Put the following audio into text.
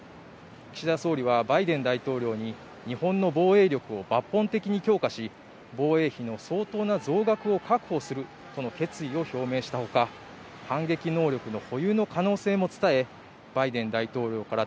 岸田総理はバイデン大統領に、日本の防衛力を抜本的に強化し、防衛費の相当な増額を確保するとの決意を表明したほか反撃能力の保有の可能性も伝えバイデン大統領から